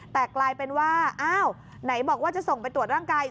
แต่กลายเป็นว่าอ้าวไหนบอกว่าจะส่งไปตรวจร่างกาย